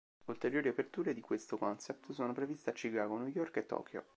Ulteriori aperture di questo concept sono previste a Chicago, New York e Tokyo.